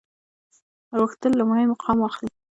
غوښتل لومړی مقام واخلي.